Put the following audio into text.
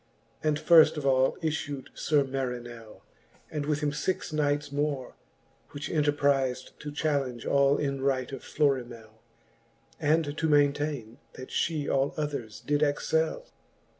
And firft of all iffu'd Sir Marinell, And with him fixe knights more, which enterpriz'd To challenge all in right of Florimell, And to maintaine, that fhe all others did excell.